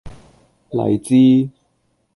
荔枝